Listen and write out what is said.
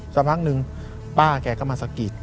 สักพักหนึ่งป้าแกก็มาสะกิด